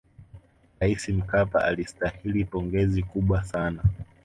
raisi mkapa alistahili pongezi kubwa sana